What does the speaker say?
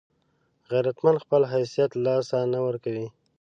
غیرتمند خپل حیثیت له لاسه نه ورکوي